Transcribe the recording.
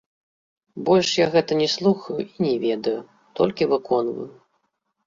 Больш я гэта не слухаю і не ведаю, толькі выконваю.